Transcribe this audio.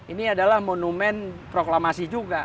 ini adalah monumen proklamasi juga